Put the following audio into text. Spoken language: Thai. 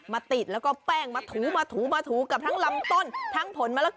มาติดแล้วก็แป้งมาถูมาถูมาถูกับทั้งลำต้นทั้งผลมะละกอ